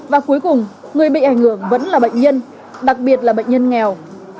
và cuối cùng người bị ảnh hưởng vẫn là bệnh nhân đặc biệt là bệnh nhân nghèo